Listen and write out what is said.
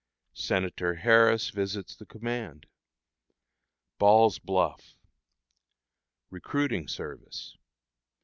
Senator Harris visits the Command. Ball's Bluff. Recruiting Service.